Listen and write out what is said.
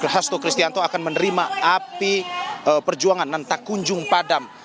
hasto kristianto akan menerima api perjuangan nantak kunjung pada